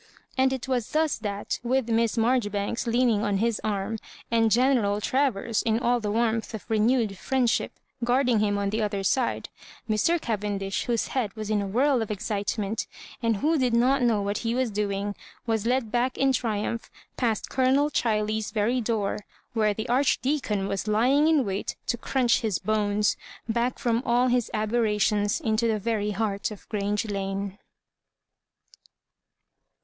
And it was thus that, with Miss Maijoribanks leaning on his aVm, and Ge neral Travers, in all the warmth of renewed friendship, guarding him on the other side, Mr. Cavendish, whose head was in a whirl of excite ment, and who did not know what he was doing, was led back in triumph past Colonel Chiley's veiy door, where the Archdeacon was lying in wait to crunch his bones, back from all his aber rations into the very heart of Grange Lane.